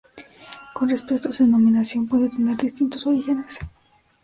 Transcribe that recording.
Con respecto a su denominación, puede tener distintos orígenes.